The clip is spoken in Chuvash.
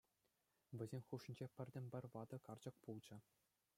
Вӗсен хушшинче пӗртен-пӗр ватӑ карчӑк пулчӗ.